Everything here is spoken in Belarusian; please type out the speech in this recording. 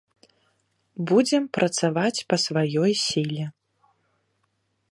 Будзем працаваць па сваёй сіле.